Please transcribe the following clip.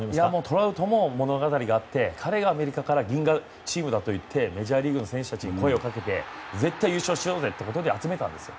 トラウトにも物語があって彼が、アメリカから銀河チームだといってメジャーリーグの選手たちに声をかけて絶対優勝しようぜってことで集めたんですよ。